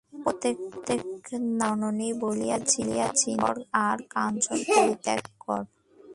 প্রত্যেক নারীকে জননী বলিয়া চিন্তা কর, আর কাঞ্চন পরিত্যাগ কর।